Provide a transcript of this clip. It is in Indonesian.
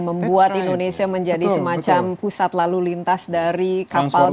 membuat indonesia menjadi semacam pusat lalu lintas dari kapal tersebut